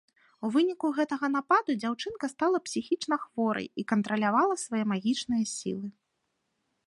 У выніку гэтага нападу дзяўчынка стала псіхічнахворай і кантралявала сваё магічныя сілы.